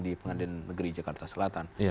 di pengadilan negeri jakarta selatan